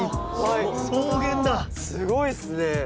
すごいっすね。